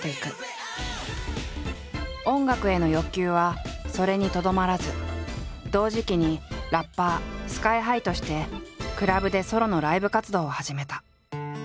音楽への欲求はそれにとどまらず同時期にラッパーＳＫＹ−ＨＩとしてクラブでソロのライブ活動を始めた。